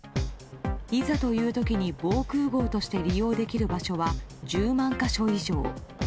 いざという時に防空壕として利用できる場所は１０万か所以上。